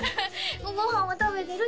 ご飯は食べてる？